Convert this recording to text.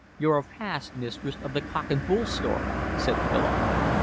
"You're a past mistress of the cock and bull story," said Philip.